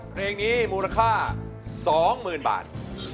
เพลงนี้มูลค่า๒๐๐๐บาท